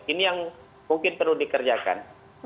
ini yang mungkin perlu dikerjakan